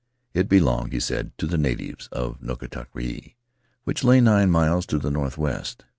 It belonged, he said, to the natives of Nukatavake, which lay nine miles to the northwest.